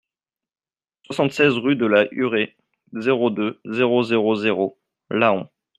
soixante-seize rue de la Hurée, zéro deux, zéro zéro zéro, Laon